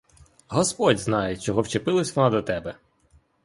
Господь знає, чого вчепилася вона до тебе!